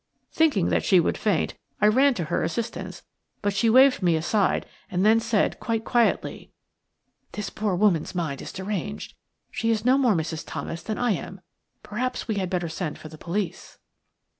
Thinking that she would faint, I ran to her assistance; but she waved me aside and then said quite quietly: "This poor woman's mind is deranged. She is no more Mrs. Thomas than I am. Perhaps we had better send for the police."